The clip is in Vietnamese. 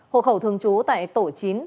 hộ khẩu thường trú tại tổ chính